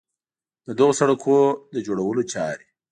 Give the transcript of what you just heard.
د دغو سړکونو د جوړولو چارې